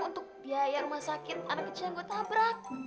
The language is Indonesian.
untuk biaya rumah sakit anak kecil gue tabrak